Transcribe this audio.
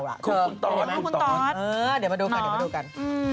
คือคุณตอธิ์คุณตอธิ์เหรอเดี๋ยวมาดูกัน